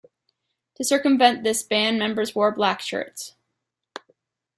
To circumvent this ban, members wore black shirts.